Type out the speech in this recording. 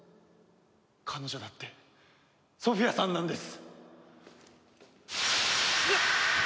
彼女だってソフィアさんなんです。